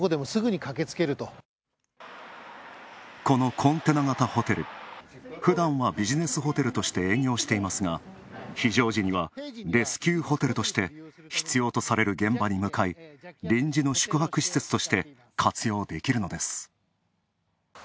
このコンテナ型ホテル、ふだんはビジネスホテルとして営業していますが非常時にはレスキューホテルとして、必要とされる現場に向かい臨時の宿泊施設として活用できるのです。